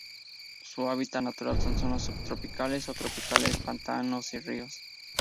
Su hábitat natural son: zonas subtropicales o tropicales pantanos, y ríos.